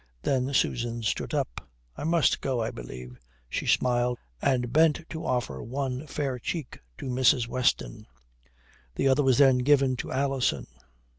Then Susan stood up. "I must go, I believe," she smiled, and bent to offer one fair cheek to Mrs. Weston. The other was then given to Alison.